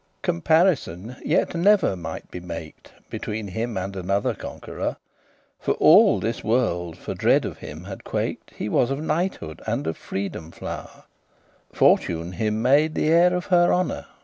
Comparison yet never might be maked Between him and another conqueror; For all this world for dread of him had quaked He was of knighthood and of freedom flow'r: Fortune him made the heir of her honour.